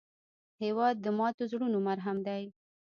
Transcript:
هېواد د ماتو زړونو مرهم دی.